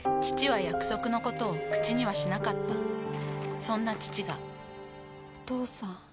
父は約束のことを口にはしなかったそんな父がお父さん。